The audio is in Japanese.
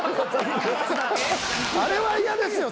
あれは嫌ですよ